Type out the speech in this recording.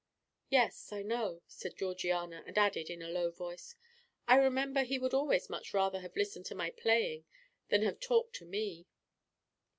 "Yes, I know," said Georgiana; and added, in a low voice: "I remember he would always much rather have listened to my playing than have talked to me."